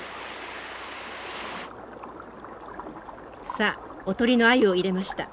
さあおとりのアユを入れました。